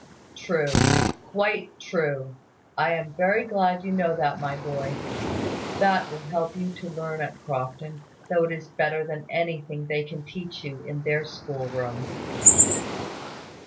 "True! quite true! I am very glad you know that, my boy. That will help you to learn at Crofton, though it is better than anything they can teach you in their school room."